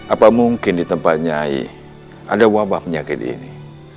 apakah mungkin di tempat saya ada wabah penyakit ini